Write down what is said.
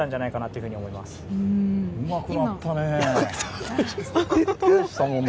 うまくなったね。